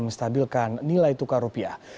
menstabilkan nilai tukar rupiah